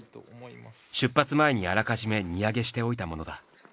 出発前にあらかじめ荷上げしておいたものだ。